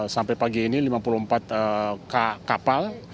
sampai lima puluh empat kapal